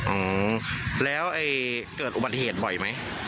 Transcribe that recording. อืมแล้วไอ้เกิดอุบัติเหตุบ่อยไหม